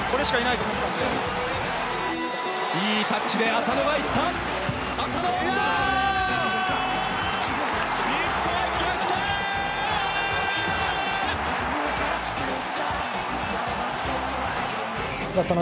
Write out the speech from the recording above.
いいタッチで浅野がいった。